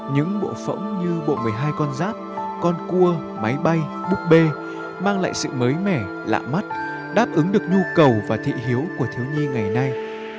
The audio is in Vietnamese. những bộ phẫu như bộ một mươi hai con giáp con cua máy bay búp bê mang lại sự mới mẻ lạ mắt đáp ứng được nhu cầu và thị hiếu của thiếu nhi ngày nay